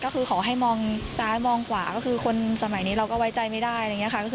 ก็คือขอให้มองซ้ายมองขวาก็คือคนสมัยนี้เราก็ไว้ใจไม่ได้